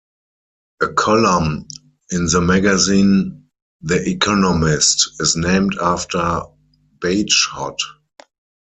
A column in the magazine "The Economist" is named after Bagehot.